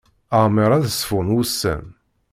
Amer ad ṣfun wussan.